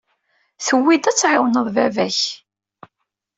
Tewwi-d ad tɛiwneḍ baba-k.